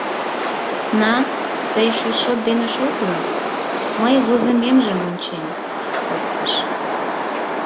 — На, тый шершот дене шотло, мый возымемжым ончем, — шоктыш.